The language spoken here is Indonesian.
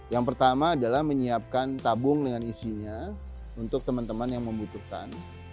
yang pertama adalah menyiapkan tabung dengan isinya untuk teman teman yang membutuhkan